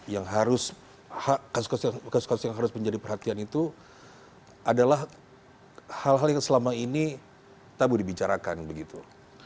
yang harus kasus kasus yang harus menjadi perhatian itu adalah hal hal yang selama ini tabu dibicarakan begitu